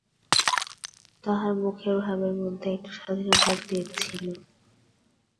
তাহার মুখের ভাবের মধ্যে একটা স্বাধীনতার তেজ ছিল।